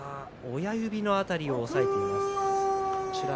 親指の辺りを押さえています。